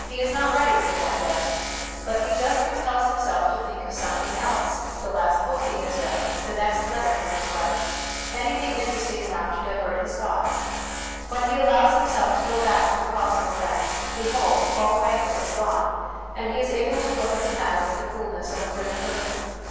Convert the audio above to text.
He is not ready for that yet ; but he just compels himself to think of something else the last book he has read, the next letter he must write, anything interesting enough to divert his thoughts. When he allows himself to go back to the cause of offence, behold, all rancour is gone, and he is able to look at the matter with the coolness of a third person.